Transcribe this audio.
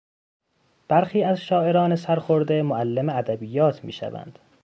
برخی از شاعران سرخورده معلم ادبیات میشوند.